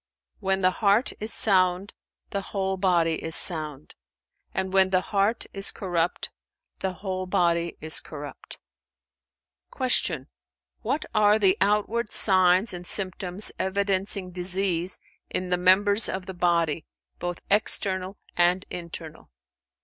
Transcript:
When the heart is sound, the whole body is sound, and when the heart is corrupt, the whole body is corrupt." Q "What are the outward signs and symptoms evidencing disease in the members of the body, both external and internal?"